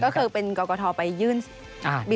ก็คือเป็นเกาะเกาะทอไปยื่นบิดไป